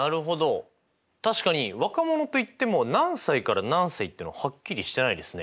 確かに若者といっても何歳から何歳っていうのははっきりしてないですね。